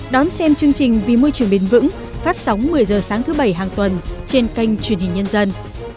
đón xem chương trình vì môi trường bền vững phát sóng một mươi h sáng thứ bảy hàng tuần trên kênh truyền hình nhân dân